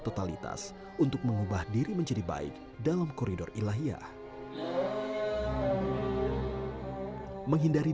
totalitas untuk mengubah diri menjadi baik dalam koridor ilahiyah menghindari